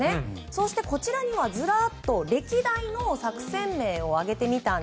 そして、こちらにはずらっと歴代の作戦名を挙げてみました。